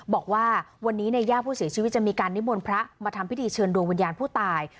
บอกว่าวันนี้ในย่าผู้เสียชีวิตจะมีการนิมนต์พระมาทำพิธีเชิญดวงวิญญาณผู้ตาย